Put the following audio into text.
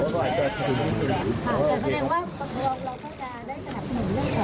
แต่แสดงว่านังรถเราก็จะได้สนับสนุนเรื่องกับนังรถไฟฟ้า